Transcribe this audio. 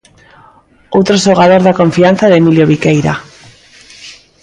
Outro xogador da confianza de Emilio Viqueira.